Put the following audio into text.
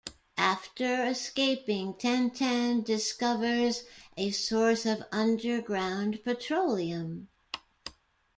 After escaping, Tintin discovers a source of underground petroleum.